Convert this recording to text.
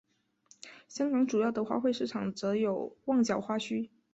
香港主要的花卉市场则有旺角花墟。